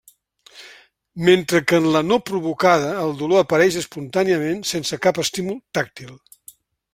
Mentre que en la no provocada el dolor apareix espontàniament sense cap estímul tàctil.